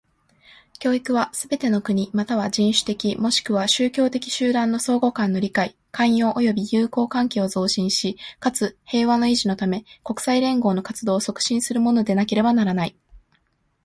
教育は、すべての国又は人種的若しくは宗教的集団の相互間の理解、寛容及び友好関係を増進し、かつ、平和の維持のため、国際連合の活動を促進するものでなければならない。